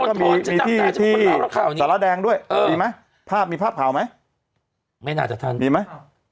ที่เยี่ยมข้าวดิสารแดงด้วยเออไม่พาหมีภาพภาวไหมไม่น่าจะถังดีมั้ย